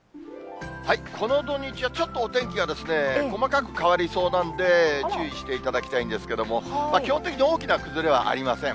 この土日はちょっとお天気が細かく変わりそうなんで、注意していただきたいんですけども、基本的に大きな崩れはありません。